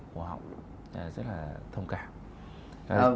của họng rất là thông cảm